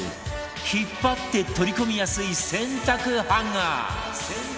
引っ張って取り込みやすい洗濯ハンガー